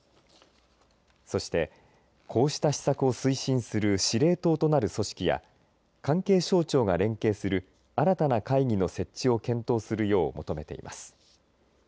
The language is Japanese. そして、こうした施策を推進する司令塔となる組織や関係省庁が連携する新たな会議の設置を検討するよう求めています。